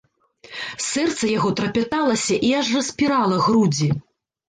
Сэрца яго трапяталася і аж распірала грудзі.